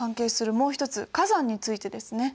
もう一つ火山についてですね。